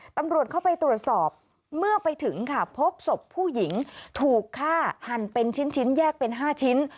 ตำรวจเข้าไปตรวจสอบเมื่อไปถึงค่ะพบศพผู้หญิงถูกฆ่าหันเป็นชิ้นแยกเป็น๕ชิ้น